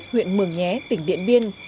huyện mường nhé tỉnh điện biên